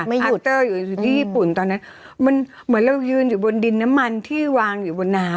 ยูเตอร์อยู่ที่ญี่ปุ่นตอนนั้นมันเหมือนเรายืนอยู่บนดินน้ำมันที่วางอยู่บนน้ำ